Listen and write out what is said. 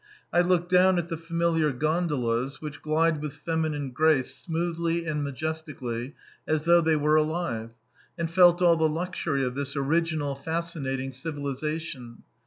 I looked down at the familiar gondolas, which glide with feminine grace smoothly and majestically as though they were alive, and felt all the luxury of this original, fascinating civilisation.